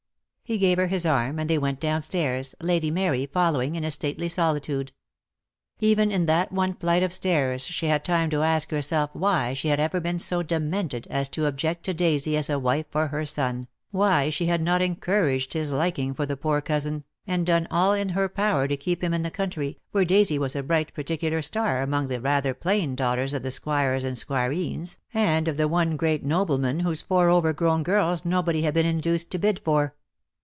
He gave her his arm, and they went downstairs, Lady Mary following in a stately solitude. Even in that one flight of stairs she had time to ask herself why she had ever been so demented as to object to Daisy as a wife for her son, why she had not encouraged his liking for the poor cousin, and done all in her power to keep him in the country, where Daisy was a bright particular star among the rather plain daughters of the Squires and Squireens, and of the one great nobleman, whose four over grown girls nobody had been in duced to bid for.